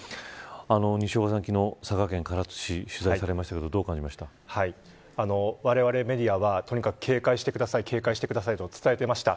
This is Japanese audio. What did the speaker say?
西岡さん、昨日佐賀県唐津市を取材されましたがわれわれメディアはとにかく警戒してくださいと伝えていました。